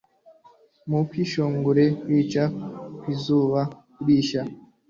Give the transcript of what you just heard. Mu kwishongora kwica kwizuba kurisha